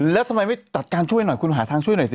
แล้วทำไมไม่จัดการช่วยหน่อยคุณหาทางช่วยหน่อยสิ